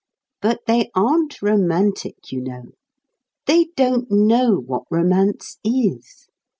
But they aren't romantic, you know. They don't know what romance is.